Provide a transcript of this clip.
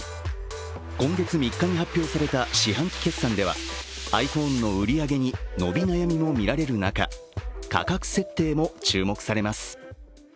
今月３日に発表された四半期決算ではｉＰｈｏｎｅの売り上げに伸び悩みも見られる中価格設定も注目されます。